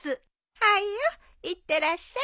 はいよいってらっしゃい。